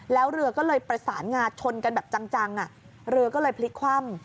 แล้วเรือก็เลยประสานงาชนกันแบบจังเรือก็เลยพลิกคว่ำ